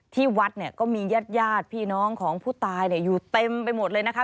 ที่วัดเนี่ยก็มีญาติญาติพี่น้องของผู้ตายอยู่เต็มไปหมดเลยนะคะ